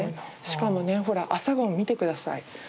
しかもねほら朝顔も見て下さい。